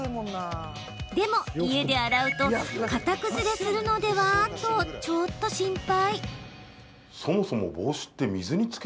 でも、家で洗うと形崩れするのでは？とちょっと心配。